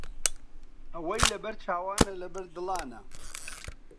ئەوەی لەبەر چاوانە، لەبەر دڵانە